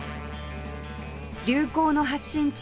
流行の発信地